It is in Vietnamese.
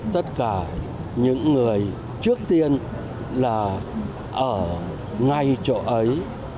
tất cả những người trước tiên là ở ngay chỗ ấy